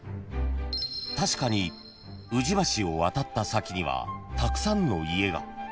［確かに宇治橋を渡った先にはたくさんの家が］